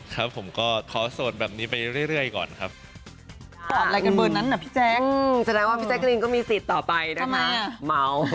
ครับผมก็ขอโสดแบบนี้ไปเรื่อยก่อนครับ